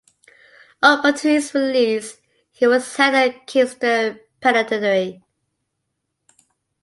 Up until his release, he was held at Kingston Penitentiary.